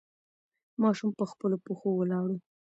ماشوم په خپلو پښو ولاړ و.